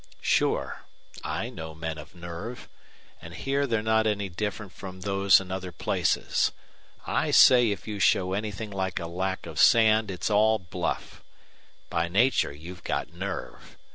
"Sure. I know men of nerve. And here they're not any different from those in other places. I say if you show anything like a lack of sand it's all bluff. By nature you've got nerve.